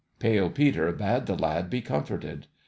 Pale Peter bade the lad be comforted.